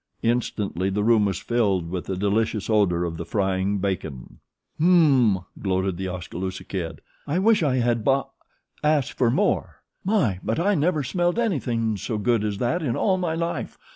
Instantly the room was filled with the delicious odor of frying bacon. "M m m m!" gloated The Oskaloosa Kid. "I wish I had bo asked for more. My! but I never smelled anything so good as that in all my life.